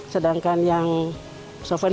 sedangkan yang suvenir yang lain seperti yang ini